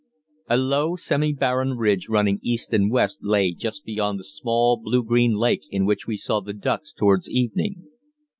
A low, semi barren ridge running east and west lay just beyond the small blue green lake in which we saw the ducks towards evening.